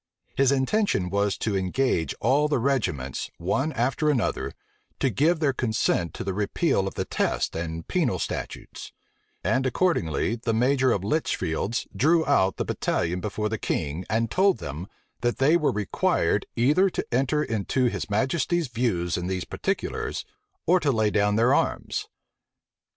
His intention was to engage all the regiments, one after another, to give their consent to the repeal of the test and penal statutes; and accordingly, the major of Litchfield's drew out the battalion before the king, and told them, that they were required either to enter into his majesty's views in these particulars, or to lay down their arms.